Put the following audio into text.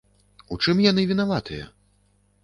У чым яны вінаватыя?